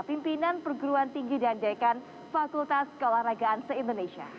pimpinan perguruan tinggi dan dekan fakultas keolahragaan se indonesia